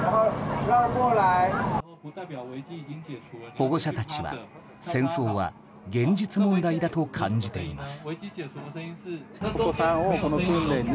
保護者たちは、戦争は現実問題だと感じています。